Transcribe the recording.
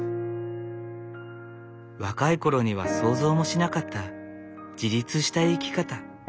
若い頃には想像もしなかった自立した生き方。